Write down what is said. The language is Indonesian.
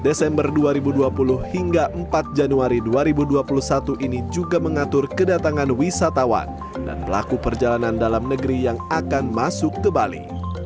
desember dua ribu dua puluh hingga empat januari dua ribu dua puluh satu ini juga mengatur kedatangan wisatawan dan pelaku perjalanan dalam negeri yang akan masuk ke bali